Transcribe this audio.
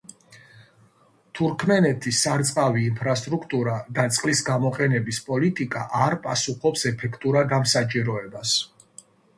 თურქმენეთის სარწყავი ინფრასტრუქტურა და წყლის გამოყენების პოლიტიკა არ პასუხობს ეფექტურად ამ საჭიროებას.